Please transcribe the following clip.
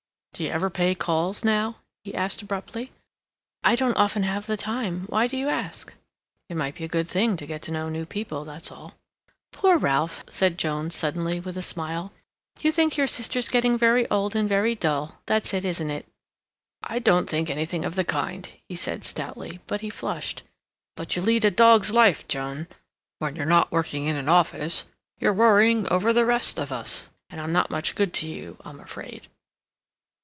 "D'you ever pay calls now?" he asked abruptly. "I don't often have the time. Why do you ask?" "It might be a good thing, to get to know new people, that's all." "Poor Ralph!" said Joan suddenly, with a smile. "You think your sister's getting very old and very dull—that's it, isn't it?" "I don't think anything of the kind," he said stoutly, but he flushed. "But you lead a dog's life, Joan. When you're not working in an office, you're worrying over the rest of us. And I'm not much good to you, I'm afraid."